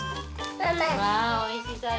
うわおいしそう。